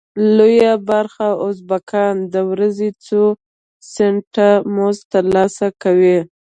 لویه برخه ازبکان د ورځې څو سنټه مزد تر لاسه کوي.